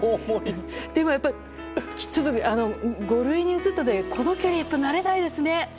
でもやっぱりちょっと５類に移ったのでこの距離慣れないですね。